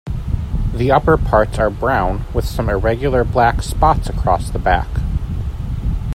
The upper parts are brown, with some irregular black spots across the back.